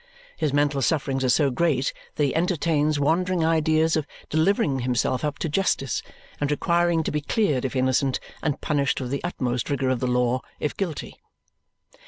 His mental sufferings are so great that he entertains wandering ideas of delivering himself up to justice and requiring to be cleared if innocent and punished with the utmost rigour of the law if guilty.